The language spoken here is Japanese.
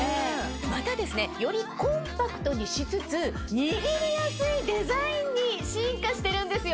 またよりコンパクトにしつつ握りやすいデザインに進化してるんですよ。